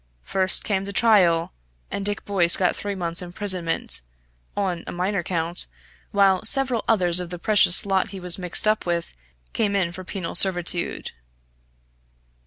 First came the trial, and Dick Boyce got three months' imprisonment, on a minor count, while several others of the precious lot he was mixed up with came in for penal servitude.